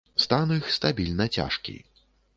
Стан іх стабільна цяжкі.